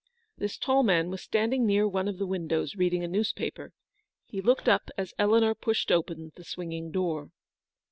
This tall man was standing near one of the windows, reading a newspaper. He looked up as Eleanor pushed open the swinging door.